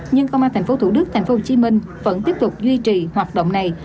nhưng công an tp thủ đức tp hcm vẫn tiếp tục duy trì hoạt động này